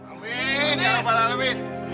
amin ya allah laluin